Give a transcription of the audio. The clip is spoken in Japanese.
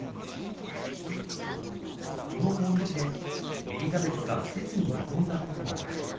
この訪日でエリザベスが切に望んだことがある。